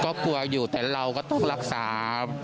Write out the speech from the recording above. ก็กลัวอยู่แต่เราก็ต้องรักษา